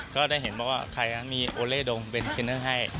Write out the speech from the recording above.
ก็ได้เห็นบอกว่าใครมีโอเล่ดงเป็นเทรนเนอร์ให้